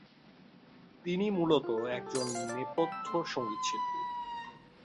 তিনি মূলত একজন নেপথ্য সঙ্গীতশিল্পী।